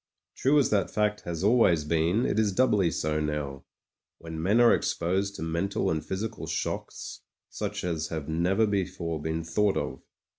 True as that fact has always been, it is doubly so now, when men are exposed to mental and physical shocks such as have never before been thought of.